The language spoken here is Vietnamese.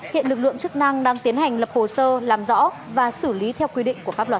hiện lực lượng chức năng đang tiến hành lập hồ sơ làm rõ và xử lý theo quy định của pháp luật